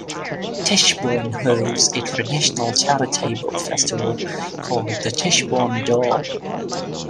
Tichborne holds a traditional charitable festival called the Tichborne Dole.